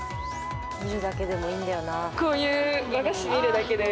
見るだけでもいいんだよなあ。